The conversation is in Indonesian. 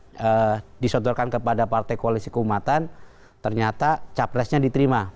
rekomendasi disontorkan kepada partai koalisi keumatan ternyata capresnya diterima